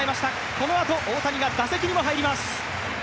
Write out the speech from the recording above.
このあと、大谷が打席にも入ります。